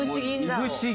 いぶし銀！